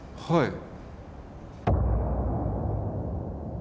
はい。